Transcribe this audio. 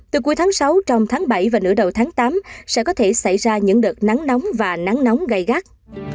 từ cuối tháng sáu trong tháng bảy và nửa đầu tháng tám sẽ có thể xảy ra những đợt nắng nóng và nắng nóng gai gắt